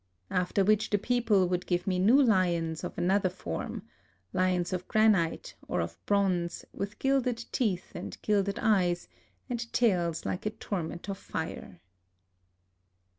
After which the peo ple would give me new lions of another form, — lions of granite or of bronze, with gilded teeth and gilded eyes, and tails like a torment of fire.